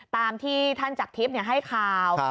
ตามที่ท่านจักรทิพย์ให้ข่าว